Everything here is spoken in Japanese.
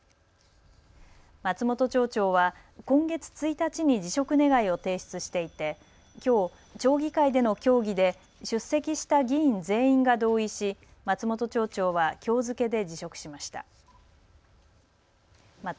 松本町長は今月１日に辞職願を提出していて、きょう町議会での協議で出席した議員全員が同意し松本町長はきょう付けで辞職しました。